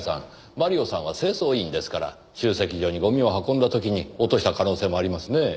マリオさんは清掃員ですから集積所にゴミを運んだ時に落とした可能性もありますねぇ。